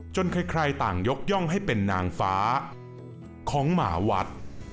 ใครต่างยกย่องให้เป็นนางฟ้าของหมาวัด